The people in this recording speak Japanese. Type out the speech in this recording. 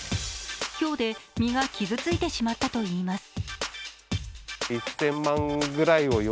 ひょうで実が傷ついてしまったといいます。